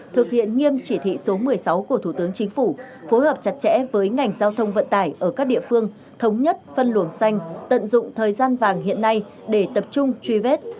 thực hiện nghiêm chỉ thị số một mươi sáu của thủ tướng chính phủ phối hợp chặt chẽ với ngành giao thông vận tải ở các địa phương thống nhất phân luồng xanh tận dụng thời gian vàng hiện nay để tập trung truy vết